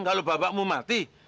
kalau babakmu mati